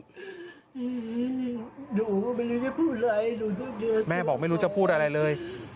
หนูไม่รู้จะพูดอะไรหนูไม่รู้จะพูดอะไรเลย